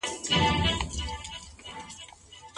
ایا کورني سوداګر وچه مېوه صادروي؟